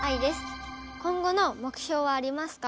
今後の目標はありますか？